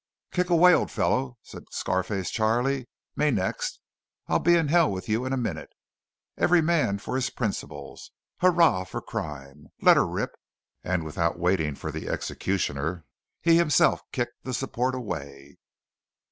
"Kick away, old fellow!" said Scar face Charley. "Me next! I'll be in hell with you in a minute! Every man for his principles! Hurrah for crime! Let her rip!" and without waiting for the executioner, he himself kicked the support away.